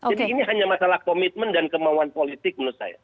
jadi ini hanya masalah komitmen dan kemauan politik menurut saya